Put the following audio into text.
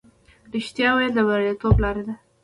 رښتیا ویل د بریالیتوب لاره ده.